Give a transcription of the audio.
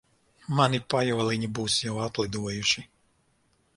Mani pajoliņi būs jau atlidojuši.